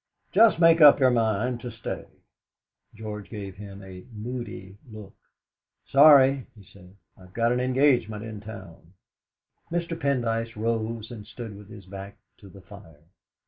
Just make up your mind to stay." George gave him a moody look. "Sorry," he said; "I've got an engagement in town." Mr. Pendyce rose and stood with his back to the fire.